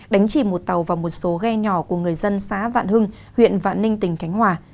đánh chìm một tàu và một số ghe nhỏ của người dân xã vạn hưng huyện vạn ninh tỉnh khánh hòa